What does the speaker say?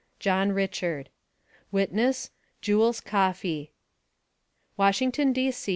JOHN RICHARD Witness : JUELS COFFEY. WASHINGTON, D. C.